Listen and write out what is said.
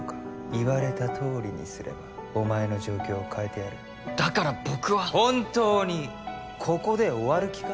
言われたとおりにすればお前の状況を変えてやるだから僕は本当にここで終わる気か？